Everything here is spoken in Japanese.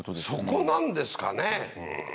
そこなんですかね！